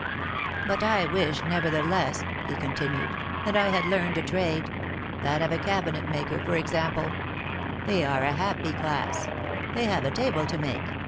'' But I wish, nevertheless," he continued, that I had learned a trade ; that of a cabinet maker, for example. They are a happy class. They have a table to make.